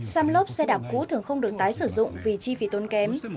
xăm lốp xe đạp cũ thường không được tái sử dụng vì chi phí tốn kém